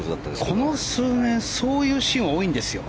この数年そういうシーンが多いんですよ。